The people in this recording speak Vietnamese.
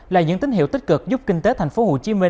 là những tín hiệu tích cực giúp kinh tế tp hcm